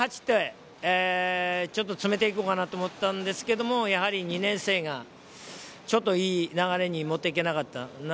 ７、８、ちょっと詰めて行こうかと思ったんですけれどやはり２年生がちょっといい流れに持って行けなかった。